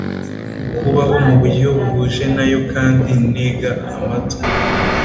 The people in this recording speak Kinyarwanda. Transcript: Kubaho mu buryo buhuje na yo kandi ntega amatwi